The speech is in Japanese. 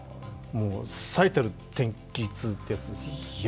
最たる天気痛ってやつですよね。